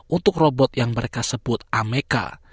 untuk robot yang mereka sebut ameka